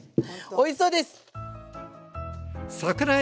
おいしそうです！